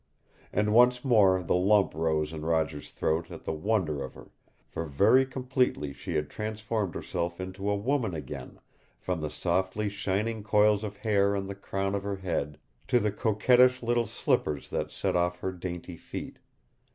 And once more the lump rose up in Roger's throat at the wonder of her, for very completely she had transformed herself into a woman again, from the softly shining coils of hair on the crown of her head to the coquettish little slippers that set off her dainty feet.